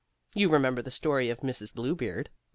You remember the story of Mrs. Bluebeard.